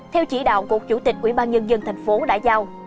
theo chỉ đạo của chủ tịch ủy ban nhân dân thành phố đã giao